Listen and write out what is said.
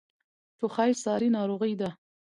ټوخی ساری ناروغۍ ده.